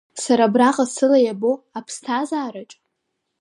Сара абраҟа сыла иабо аԥсҭазаараҿ…